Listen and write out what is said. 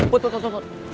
put put put